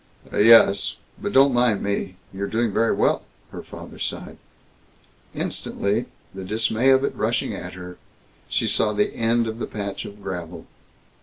"Yes. But don't mind me. You're doing very well," her father sighed. Instantly, the dismay of it rushing at her, she saw the end of the patch of gravel.